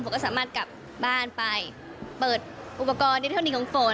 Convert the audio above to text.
ผมก็สามารถกลับบ้านไปเปิดอุปกรณ์ที่เท่านี้ของฝน